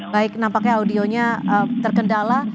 baik nampaknya audionya terkendala